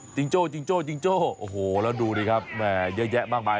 จิ้งโจ้แล้วดูดีครับเยอะมากมาย